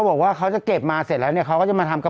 มันใช้ประโยชน์ได้ต่อไง